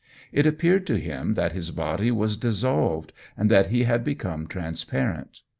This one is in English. It appeared to him that his body was dissolved, and that he had become transparent.